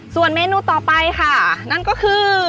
ส่วนเมนูต่อไปค่ะนั่นก็คือ